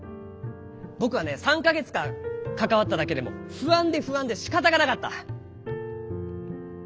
僕はね３か月間関わっただけでも不安で不安でしかたがなかった。